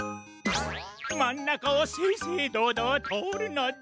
まんなかをせいせいどうどうとおるのだ！